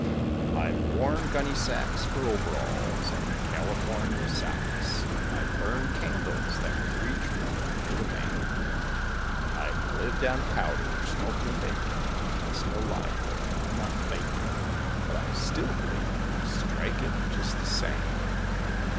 I've worn gunny sacks for overalls, and 'California socks,' I've burned candles that would reach from here to Maine, I've lived on powder, smoke, and bacon, that's no lie, boy, I'm not fakin', But I still believe we'll strike it just the same.